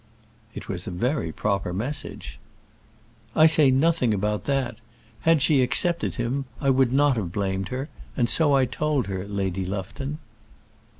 "It was a very proper message." "I say nothing about that. Had she accepted him I would not have blamed her: and so I told her, Lady Lufton."